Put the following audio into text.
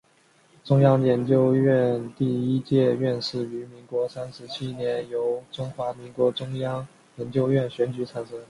中央研究院第一届院士于民国三十七年由中华民国中央研究院选举产生。